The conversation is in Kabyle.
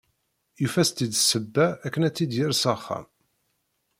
Yufa-as-tt-id d ssebba akken ad tt-id-yerr s axxam.